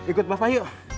ikut bapak yuk